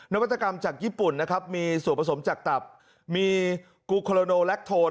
วัตกรรมจากญี่ปุ่นนะครับมีส่วนผสมจากตับมีกูโคโลโนแลคโทน